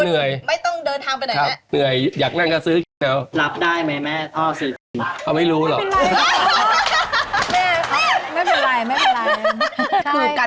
ไม่เอาแล้วเหนื่อย